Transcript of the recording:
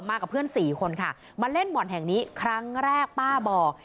กับเพื่อนสี่คนค่ะมาเล่นบ่อนแห่งนี้ครั้งแรกป้าบอก